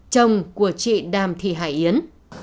chồng của chị đàm thị hải yến